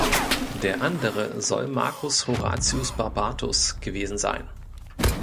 Der andere soll Marcus Horatius Barbatus gewesen sein.